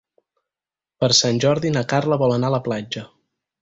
Per Sant Jordi na Carla vol anar a la platja.